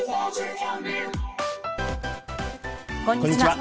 こんにちは。